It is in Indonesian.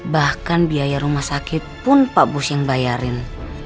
bahkan biaya rumah sakit pun pak bus yang bayarin